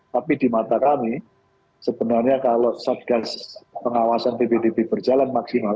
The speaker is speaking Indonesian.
tapi di mata kami sebenarnya kalau satgas pengawasan ppdb berjalan maksimal